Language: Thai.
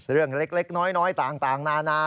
เรื่องเล็กน้อยต่างนานา